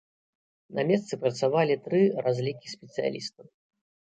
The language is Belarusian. На месцы працавалі тры разлікі спецыялістаў.